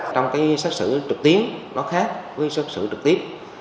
trong cái xét xử trực tiến nó khác với xét xử trực tiếp